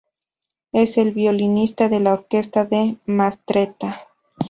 Es el violinista de la orquesta de Mastretta.